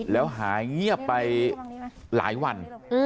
แล้วหายเงียบไปหลายวัน